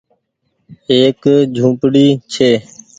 ايڪ جهونپڙي ڇي